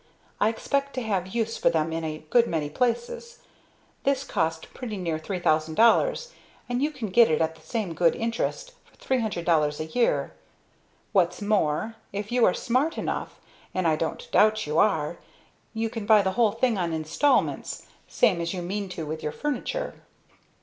I expect to have use for them in a good many places. This cost pretty near $3,000, and you get it at the same good interest, for $300 a year. What's more, if you are smart enough and I don't doubt you are, you can buy the whole thing on installments, same as you mean to with your furniture."